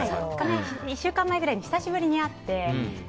１週間前ぐらいに久しぶりに会って。